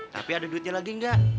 tapi ada duitnya lagi enggak